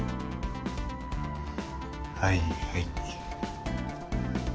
はいはい。